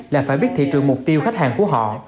là phải biết thị trường mục tiêu khách hàng của họ